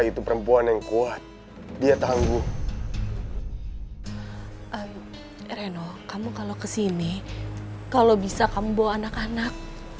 itu perempuan yang kuat dia tangguh reno kamu kalau kesini kalau bisa kamu bawa anak anak